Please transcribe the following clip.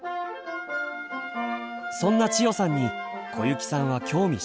そんな千代さんに小雪さんは興味津々。